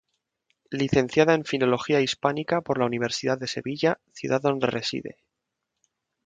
Licenciada en Filología Hispánica por la Universidad de Sevilla, ciudad donde reside.